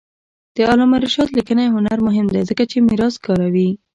د علامه رشاد لیکنی هنر مهم دی ځکه چې میراث کاروي.